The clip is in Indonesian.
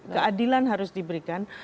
keadilan harus diberikan